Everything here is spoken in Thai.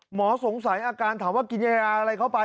หมอสงสัยอาการถามว่ากินยาอะไรเข้าไป